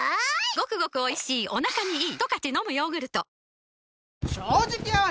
ゴクゴクおいしいお腹にイイ！